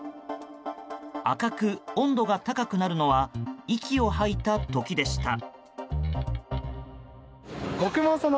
赤く温度が高くなるのは息を吐いた時でした。